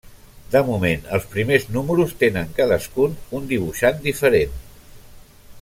De moment els primers números tenen cadascun un dibuixant diferent.